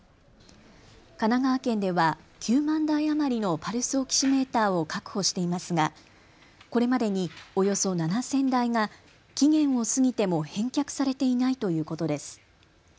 神奈川県では９万台余りのパルスオキシメーターを確保していますがこれまでにおよそ７０００台が期限を過ぎても返却されていないということです。